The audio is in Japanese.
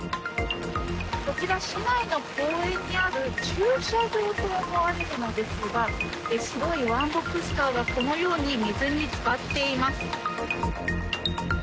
こちら、市内の公園にある駐車場と思われるのですが白いワンボックスカーがこのように水に浸かっています。